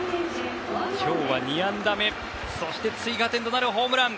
今日は２安打目そして追加点となるホームラン。